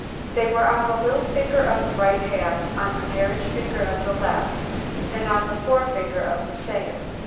"They were on the little finger of the right hand, on the marriage finger of the left, and on the forefinger of the same.